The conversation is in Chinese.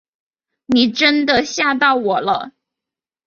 你真的吓到我了